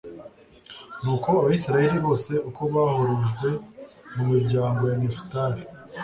nuko abayisraheli bose uko bahurujwe mu miryango ya nefutali